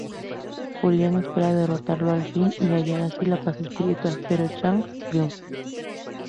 Julian espera derrotarlo al fin y hallar así la paz espiritual, pero Chang triunfa.